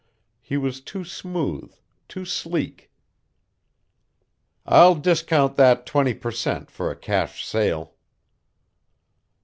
He was too smooth, too sleek. "I'll discount that twenty percent, for a cash sale."